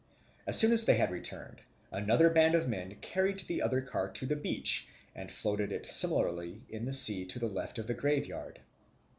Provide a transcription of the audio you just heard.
As soon as they had returned, another band of men carried the other car to the beach and floated it similarly in the sea to the left of the graveyard.